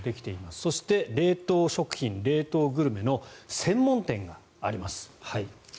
そして冷凍食品、冷凍グルメの専門店があります。